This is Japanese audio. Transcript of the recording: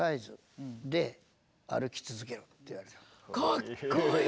かっこいい！